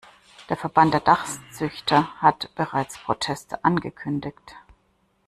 Der Verband der Dachszüchter hat bereits Proteste angekündigt.